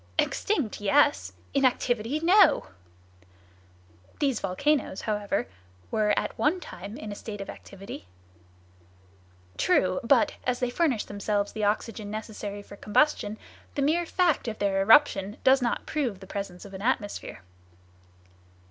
"Extinct, yes! In activity, no!" "These volcanoes, however, were at one time in a state of activity?" "True, but, as they furnish themselves the oxygen necessary for combustion, the mere fact of their eruption does not prove the presence of an atmosphere."